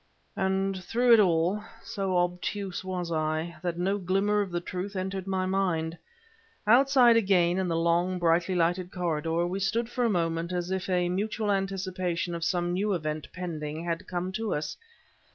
And through it all, so obtuse was I, that no glimmer of the truth entered my mind. Outside again in the long, brightly lighted corridor, we stood for a moment as if a mutual anticipation of some new event pending had come to us.